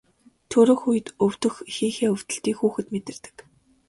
Төрөх үед өвдөх эхийнхээ өвдөлтийг хүүхэд мэдэрдэг.